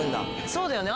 そうだよね。